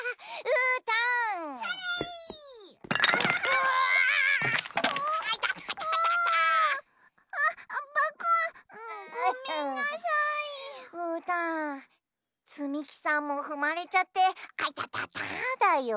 うーたんつみきさんもふまれちゃってあいたただよ。